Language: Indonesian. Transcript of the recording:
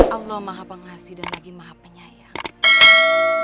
allah maha pengasih dan lagi maha penyayang